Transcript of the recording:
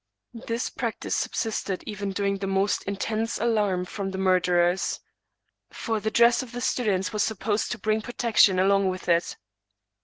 This practice subsisted even during the most intense alarm from the murderers; for the dress of the students was supposed to bring pro tection along with it.